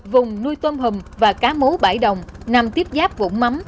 vùng nuôi tôm hùm và cá mú bãi đồng nằm tiếp giáp vũng